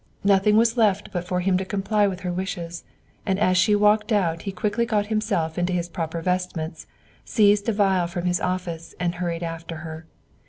Nothing was left but for him to comply with her wishes; and as she walked out, he quickly got himself into his proper vestments, seized a vial from his office, and hurried after her.